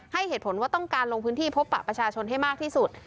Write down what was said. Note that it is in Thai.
เหตุผลว่าต้องการลงพื้นที่พบปะประชาชนให้มากที่สุด